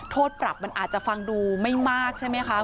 โทษปรับมันอาจจะฟังดูไม่มากใช่ไหมคะ